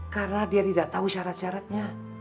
karena dia tidak tahu syarat syaratnya